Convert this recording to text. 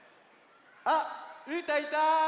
あっうーたんいた！